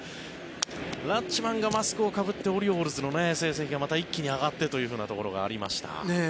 ラッチマンがマスクをかぶってオリオールズの成績がまた一気に上がってというところがありました。